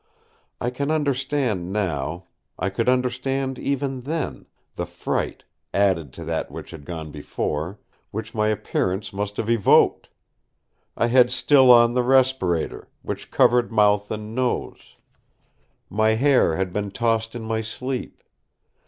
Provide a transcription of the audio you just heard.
I can understand now—I could understand even then—the fright, added to that which had gone before, which my appearance must have evoked. I had still on the respirator, which covered mouth and nose; my hair had been tossed in my sleep.